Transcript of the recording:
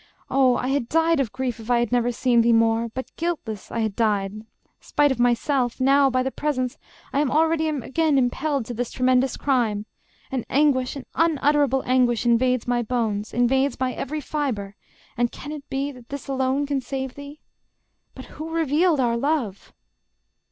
Oh, I had died Of grief, if I had never seen thee more; But guiltless I had died: spite of myself, Now, by thy presence, I already am Again impelled to this tremendous crime... An anguish, an unutterable anguish, Invades my bones, invades my every fibre... And can it be that this alone can save thee?... But who revealed our love?